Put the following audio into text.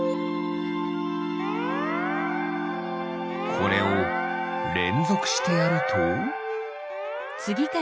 これをれんぞくしてやると？